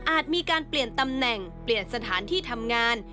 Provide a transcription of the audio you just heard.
มีการเปลี่ยนตำแหน่งเปลี่ยนสถานที่ทำงาน